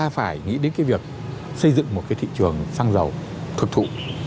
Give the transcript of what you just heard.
chúng ta phải nghĩ đến cái việc xây dựng một cái thị trường xăng dầu thực thụ